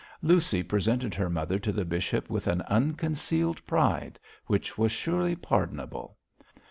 Lucy presented her mother to the bishop with an unconcealed pride, which was surely pardonable.